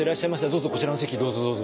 どうぞこちらの席どうぞどうぞ。